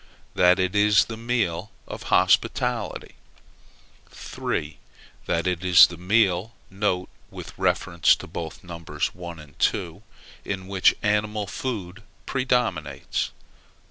That it is the meal of hospitality. 3. That it is the meal (with reference to both Nos 1 and 2) in which animal food predominates.